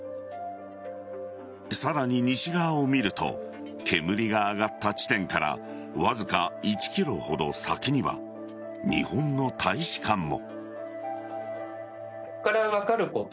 さらに西側を見ると煙が上がった地点からわずか１ｋｍほど先には日本の大使館も。